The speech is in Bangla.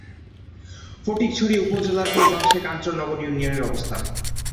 ফটিকছড়ি উপজেলার পূর্বাংশে কাঞ্চননগর ইউনিয়নের অবস্থান।